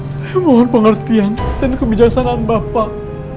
saya mohon pengertian dan kebijaksanaan bapak